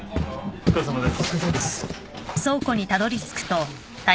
お疲れさまです。